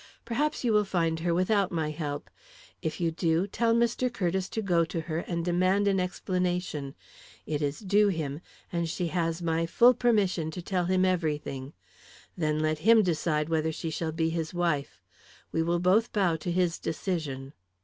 Perhaps you will find her without my help. If you do, tell Mr. Curtiss to go to her and demand an explanation; it is due him, and she has my full permission to tell him everything. Then let him decide whether she shall be his wife. We will both bow to his decision."